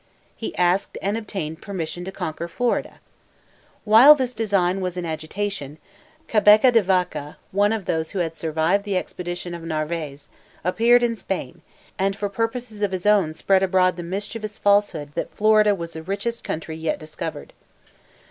He asked and obtained permission to conquer Florida. While this design was in agitation, Cabeca de Vaca, one of those who had survived the expedition of Narvaez, appeared in Spain, and for purposes of his own spread abroad the mischievous falsehood, that Florida was the richest country yet discovered.